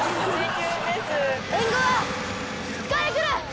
援軍は２日で来る。